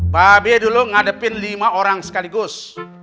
babe dulu ngadepin lima orang sekaligus